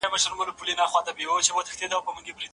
د باطل په وړاندي په مېړانه ودرېږئ.